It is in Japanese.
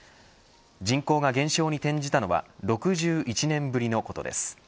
人口が減少に転じたのは６１年ぶりのことです。